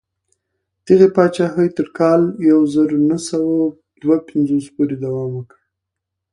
دغې پاچاهۍ تر کال یو زر نهه سوه دوه پنځوس پورې دوام وکړ.